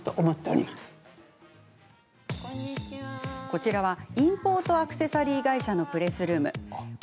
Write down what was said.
こちらはインポートアクセサリー会社のプレスルーム。